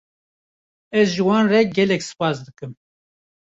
Ez ji wan re gelek spas dikim.